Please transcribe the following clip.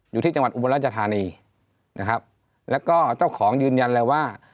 อยู่ที่จังหวัดอุบลราชธานีนะครับแล้วก็เจ้าของยืนยันเลยว่า